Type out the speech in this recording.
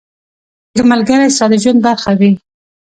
• ښه ملګری ستا د ژوند برخه وي.